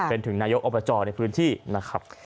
เป็นถึงนายกอบจในพื้นที่นะครับ